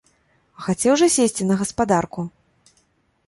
А хацеў жа сесці на гаспадарку?